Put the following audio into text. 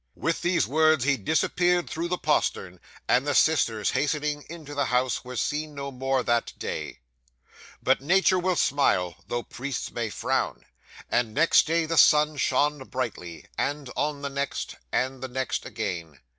'With these words he disappeared through the postern; and the sisters hastening into the house were seen no more that day. 'But nature will smile though priests may frown, and next day the sun shone brightly, and on the next, and the next again.